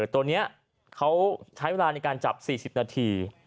ตัวนี้เขาใช้เวลาในการจับ๔๐นาที